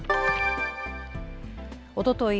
おととい